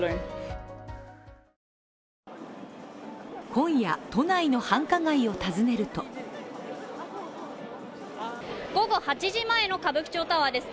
今夜、都内の繁華街を訪ねると午後８時前の歌舞伎町タワーです。